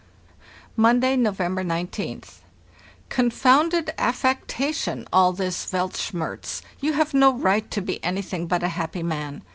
"Monday, November roth. Confounded affectation all this Weltschmerz; you have no right to be anything but a happy man.